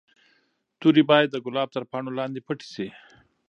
توري باید د ګلاب تر پاڼو لاندې پټې شي.